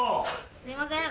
すいません。